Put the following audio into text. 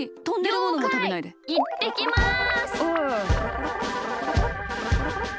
いってきます！